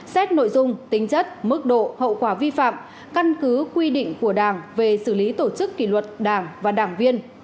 xét nội dung tính chất mức độ hậu quả vi phạm căn cứ quy định của đảng về xử lý tổ chức kỷ luật đảng và đảng viên